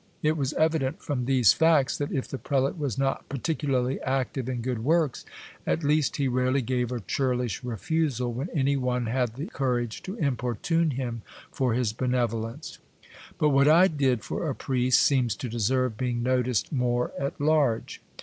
It was evident from these facts, that if the prelate was not particularly active in good works, at least he rarely gave a churlish refusal, when any one had the courage to importune him for his benevolence. But what I did for a priest seems to deserve being noticed more at large.